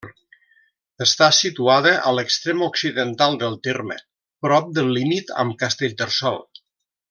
Està situada a l'extrem occidental del terme, prop del límit amb Castellterçol.